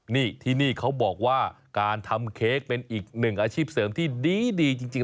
นี่ที่นี่เขาบอกว่าการทำเค้กเป็นอีกหนึ่งอาชีพเสริมที่ดีจริง